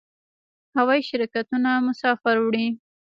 هوایی شرکتونه مسافر وړي